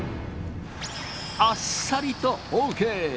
あっさりとＯＫ！